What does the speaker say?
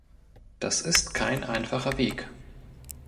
Das ist kein einfacher Weg!